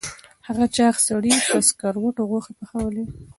هغه چاغ سړي په سکروټو غوښې پخولې.